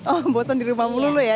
oh bosan di rumah mulu ya